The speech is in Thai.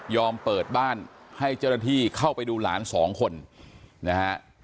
เปิดบ้านให้เจ้าหน้าที่เข้าไปดูหลานสองคนนะฮะ